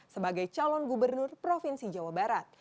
sebagai calon gubernur provinsi jawa barat